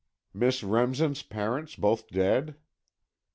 "Miss Remsen's parents both dead?"